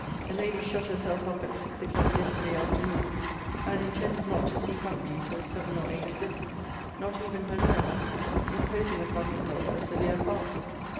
The lady shut herself up at six o'clock yesterday afternoon; and intends not to see company till seven or eight this; not even her nurse imposing upon herself a severe fast.